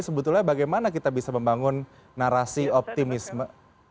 sebetulnya bagaimana kita bisa membangun narasi optimisme